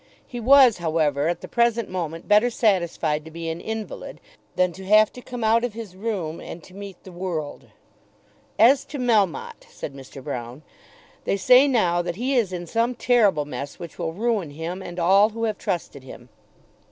He was, however, at the present moment better satisfied to be an invalid than to have to come out of his room and to meet the world. "As to Melmotte," said Mr. Broune, "they say now that he is in some terrible mess which will ruin him and all who have trusted him."